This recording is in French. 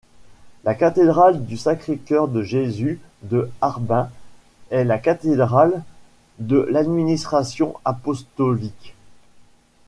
La cathédrale du Sacré-Cœur de Jésus de Harbin est la cathédrale de l'administration apostolique.